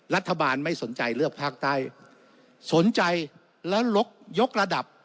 รัฐบาลไม่สนใจเลือกภาคใต้สนใจแล้วยกระดับ